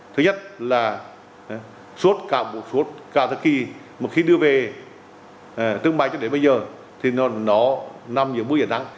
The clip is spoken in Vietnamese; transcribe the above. thứ nhất là suốt cả buổi suốt cả thời kỳ một khi đưa về trưng bày cho đến bây giờ thì nó nằm giữa mưa và nắng